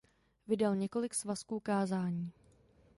Vydal několik svazků kázání.